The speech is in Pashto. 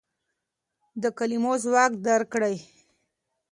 د کلمو ځواک درک کړئ.